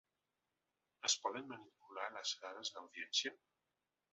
Es poden manipular les dades d’audiència?